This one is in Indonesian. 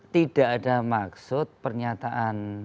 tidak ada maksud pernyataan